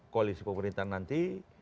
koalisi pemerintahan nanti